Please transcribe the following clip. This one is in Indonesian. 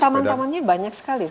dan taman tamannya banyak sekali